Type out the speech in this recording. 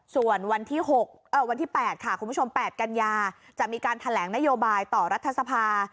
ส่วนวันที่๘คุณผู้ชม๘กัญญาจะมีการแถลงนโยบายต่อรัฐสภา